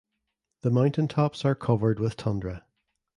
The mountaintops are covered with tundra.